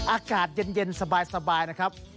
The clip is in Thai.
อากาศเย็นสบายนะครับ